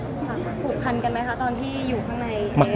ผูกพันผูกพันกันไหมคะตอนที่อยู่ข้างใน